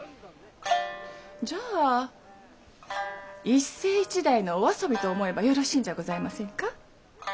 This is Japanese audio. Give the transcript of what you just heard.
じゃあ一世一代のお遊びと思えばよろしいんじゃございませんか？